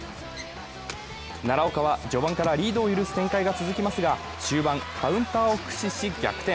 奈良岡は、序盤からリードを許す展開が続きますが終盤、カウンターを駆使し逆転。